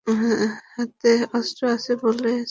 হাতে অস্ত্র আছে বলে সেয়ানামো দেখাচ্ছিস?